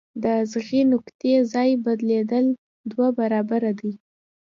د اغیزې نقطې ځای بدلیدل دوه برابره دی.